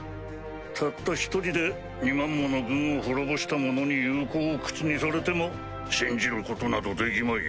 たった１人で２万もの軍を滅ぼした者に友好を口にされても信じることなどできまいよ。